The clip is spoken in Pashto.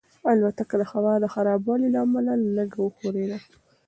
الوتکه د هوا د خرابوالي له امله لږه وښورېده.